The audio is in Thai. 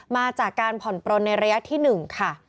มาจากการผ่อนปลนในระยะที่๑ค่ะ